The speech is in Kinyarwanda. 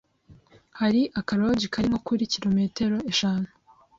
hari aka lodge kari nko kuri kirometero eshanu